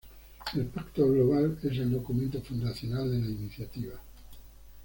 El Pacto Global es el documento fundacional de la iniciativa.